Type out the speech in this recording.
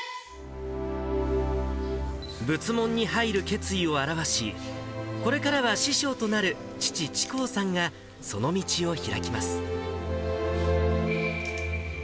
仏門に入る決意を表し、これからは師匠となる父、智孝さんがその道を開きます。